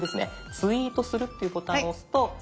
「ツイートする」ってボタンを押すと。